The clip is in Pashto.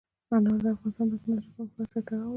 انار د افغانستان د تکنالوژۍ پرمختګ سره تړاو لري.